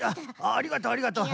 ありがとうありがとう。